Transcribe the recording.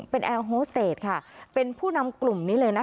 เป็นแอร์โฮสเตจค่ะเป็นผู้นำกลุ่มนี้เลยนะคะ